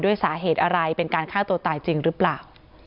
สาเหตุอะไรเป็นการฆ่าตัวตายจริงหรือเปล่า